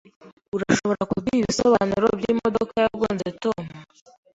Urashobora kuduha ibisobanuro byimodoka yagonze Tom?